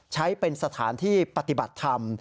ใช้เป็นสถานที่ปฏิบัติธรรม